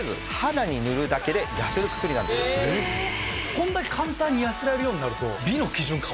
こんだけ簡単に痩せられるようになると。